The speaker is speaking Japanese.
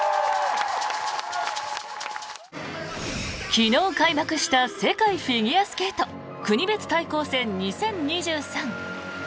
昨日開幕した世界フィギュアスケート国別対抗戦２０２３。